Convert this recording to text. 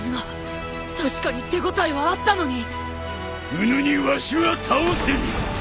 うぬにわしは倒せぬ。